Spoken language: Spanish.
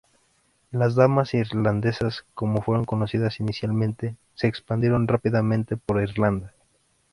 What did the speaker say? Las damas irlandesas, como fueron conocidas inicialmente, se expandieron rápidamente por Irlanda.